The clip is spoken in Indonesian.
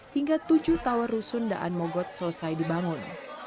hingga tujuh tower rusun daan mogot selesai dibangun